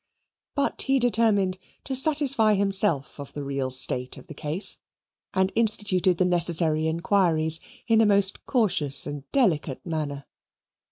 But he determined to satisfy himself of the real state of the case, and instituted the necessary inquiries in a most cautious and delicate manner.